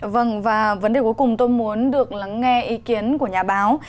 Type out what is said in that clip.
vâng và vấn đề cuối cùng tôi muốn được lắng nghe ý kiến của nhà báo